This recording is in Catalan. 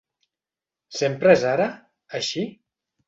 Sempre és ara, així?